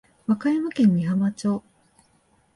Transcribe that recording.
和歌山県美浜町